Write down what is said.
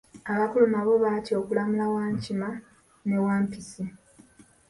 Abakulu nabo baatya okulamula Wankima ne Wampisi.